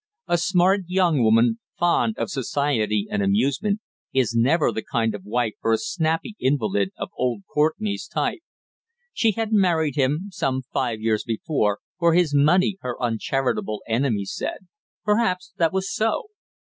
A smart young woman, fond of society and amusement, is never the kind of wife for a snappy invalid of old Courtenay's type. She had married him, some five years before, for his money, her uncharitable enemies said. Perhaps that was so.